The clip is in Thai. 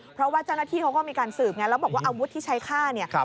เพราะว่าเจ้าหน้าที่เขาก็มีการสืบไงแล้วบอกว่าอาวุธที่ใช้ฆ่าเนี่ย